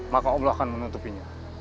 maka allah akan menutupinya